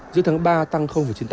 giữa tháng ba tăng chín mươi tám